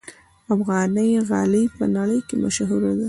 افغاني غالۍ په نړۍ کې مشهوره ده.